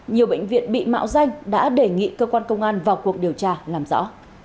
nhiều bệnh viện bị mạo danh đã đề nghị cơ quan công an vào cuộc điều tra làm rõ